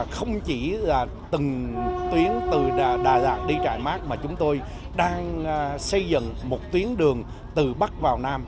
không chỉ là từng tuyến từ đà lạt đi trại mát mà chúng tôi đang xây dựng một tuyến đường từ bắc vào nam